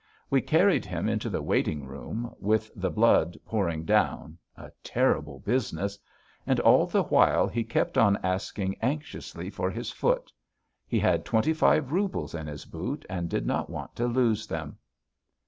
We carried him into the waiting room, with the blood pouring down a terrible business and all the while he kept on asking anxiously for his foot; he had twenty five roubles in his boot and did not want to lose them."